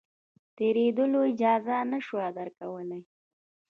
تېرېدلو اجازه نه شو درکولای.